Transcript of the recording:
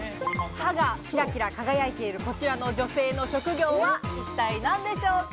歯がキラキラ輝いているこちらの女性の職業は一体何でしょうか？